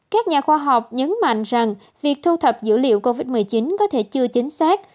các nhà khoa học nhấn mạnh rằng việc thu thập dữ liệu covid một mươi chín có thể chưa chính xác